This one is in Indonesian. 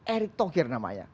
erik tokir namanya